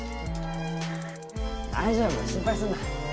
大丈夫心配すんな。